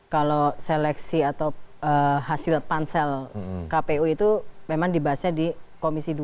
kalau seleksi atau hasil pansel kpu itu memang dibahasnya di komisi dua